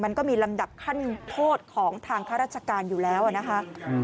มันก็มีลำดับขั้นโทษของทางข้าราชการอยู่แล้วนะคะ